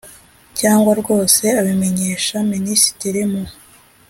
cyangwa rwose abimenyesha Minisitiri mu